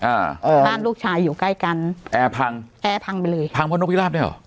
อ่าเออบ้านลูกชายอยู่ใกล้กันแอร์พังแอร์พังไปเลยพังเพราะนกพิราบด้วยเหรอ